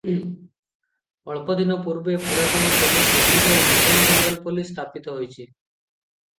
ଅଳ୍ପ ଦିନ ପୂର୍ବେ ପୁରାତନ ପୋଲିସ ଉଠି ଯାଇ ନୂତନ ବେଙ୍ଗଲ ପୋଲିସ ସ୍ଥାପିତ ହୋଇଛି ।